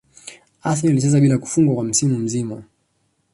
Arsenal ilicheza bila kufungwa kwa msimu mzima